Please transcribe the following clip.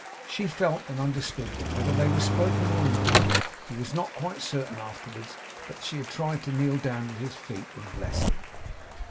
She felt and understood them, whether they were spoken or no. He was not quite certain, afterwards, but that she had tried to kneel down at his feet, and bless him.